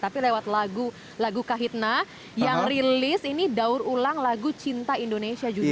tapi lewat lagu lagu kahitna yang rilis ini daur ulang lagu cinta indonesia juga